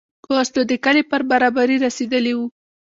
اوس نو د کلي پر برابري رسېدلي وو.